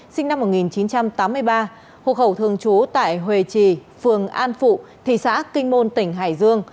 sinh năm một nghìn chín trăm tám mươi ba hộ khẩu thường trú tại hòe trì phường an phụ thị xã kinh môn tỉnh hải dương